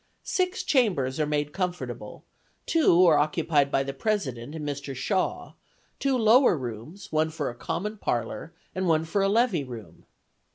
Six chambers are made comfortable; two are occupied by the President and Mr. Shaw; two lower rooms, one for a common parlor, and one for a levee room.